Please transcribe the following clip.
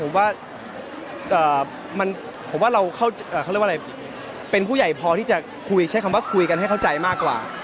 ผมว่าผมว่าเราเขาเรียกว่าอะไรเป็นผู้ใหญ่พอที่จะคุยใช้คำว่าคุยกันให้เข้าใจมากกว่า